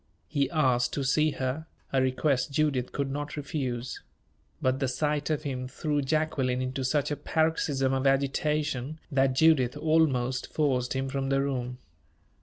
He asked to see her a request Judith could not refuse. But the sight of him threw Jacqueline into such a paroxysm of agitation, that Judith almost forced him from the room.